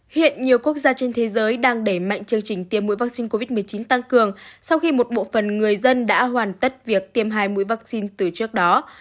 hiện nhiều quốc gia trên thế giới đang đẩy mạnh chương trình tiêm mũi vaccine covid một mươi chín tăng cường sau khi một bộ phần người dân đã hoàn tất việc tiêm hai mũi vaccine từ trước đó